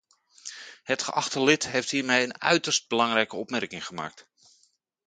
Het geachte lid heeft hiermee een uiterst belangrijke opmerking gemaakt.